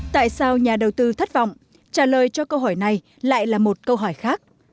tại sao nhà đầu tư thất vọng trả lời cho câu hỏi này lại là một câu hỏi khác